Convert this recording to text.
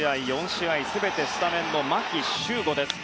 ４試合全てスタメンの牧秀悟です。